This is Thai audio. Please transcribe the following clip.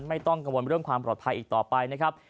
ไม่ต้องกังวลเรื่องความปลอดภัยอีกต่อไปนะครับ